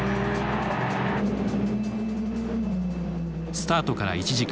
スタートから１時間。